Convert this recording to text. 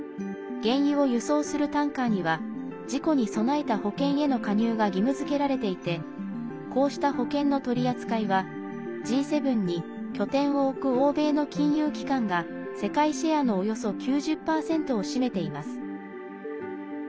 原油を輸送するタンカーには事故に備えた保険への加入が義務づけられていてこうした保険の取り扱いはＧ７に拠点を置く欧米の金融機関が世界シェアのおよそ９０％を占めています。